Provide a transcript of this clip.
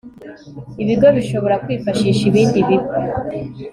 ibigo bishobora kwifashisha ibindi bigo